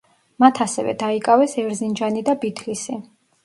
მათ ასევე დაიკავეს ერზინჯანი და ბითლისი.